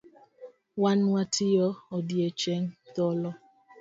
Wan watiyo odiechieng’ thole